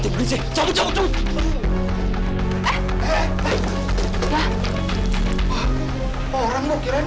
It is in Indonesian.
enggak jalan mendingan